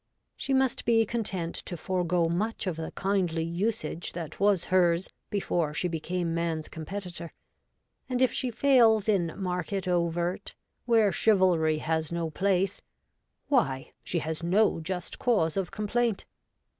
She must be content to forego much of the kindly usage that was hers before she became man's competitor ; and if she fails in market overt, where .chivalry has no place, why, she has no just cause of complaint.